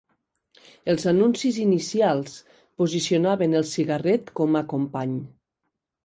Els anuncis inicials posicionaven el cigarret com a company.